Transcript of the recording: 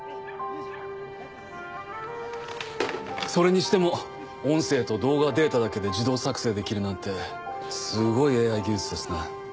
それにしても音声と動画データだけで自動作成できるなんてすごいＡＩ技術ですね。